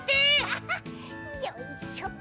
アハッよいしょっと！